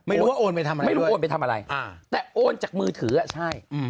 ไม่รู้ว่าโอนไปทำอะไรไม่รู้โอนไปทำอะไรแต่โอนจากมือถืออ่ะใช่